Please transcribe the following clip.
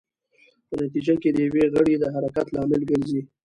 په نتېجه کې د یو غړي د حرکت لامل ګرځي.